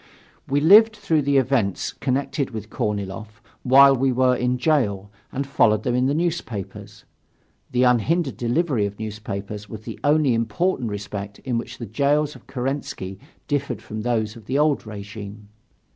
We lived through the events connected with Korniloff, while we were in jail, and followed them in the newspapers; the unhindered delivery of newspapers was the only important respect in which the jails of Kerensky differed from those of the old regime.